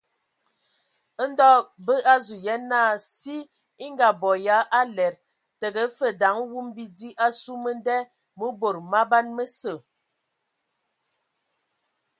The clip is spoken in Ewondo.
Ndɔ bǝ azu yen naa si e ngaabo ya aled, təgǝ fəg daŋ wum bidi asu mə̀nda mǝ bod maban mǝsə.